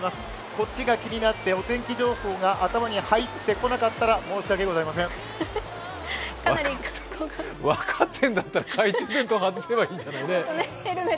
こっちが気になってお天気情報が頭に入ってこなかったら分かってんだったら懐中電灯を外せばいいじゃないね。